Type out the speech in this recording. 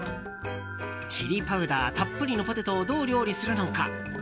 チリパウダーたっぷりのポテトをどう料理するのか。